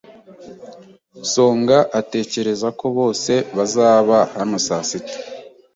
Songa atekereza ko bose bazaba hano saa sita.